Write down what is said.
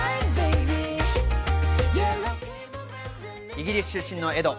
イギリス出身のエド。